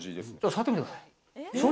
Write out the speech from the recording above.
触ってみてください。